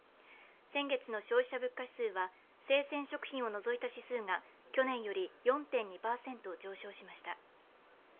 先月の消費者物価指数は生鮮食品を除いた指数が去年より４．２％上昇しました。